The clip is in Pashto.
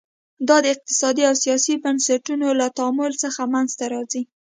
دا د اقتصادي او سیاسي بنسټونو له تعامل څخه منځته راځي.